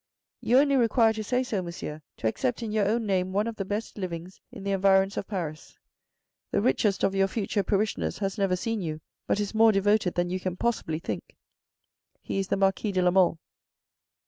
You only require to say so, monsieur, to accept in your own name one of the best livings in the environs of Paris. The richest of your future parishioners has never seen you, but is more devoted than you can possibly think : he is the Marquis de la Mole."